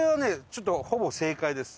ちょっとほぼ正解です。